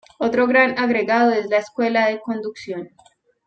Otro gran agregado es la escuela de conducción.